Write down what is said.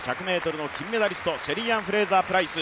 １００ｍの金メダリストシェリーアン・フレイザー・プライス。